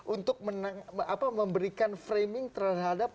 untuk menang apa memberikan framing terhadap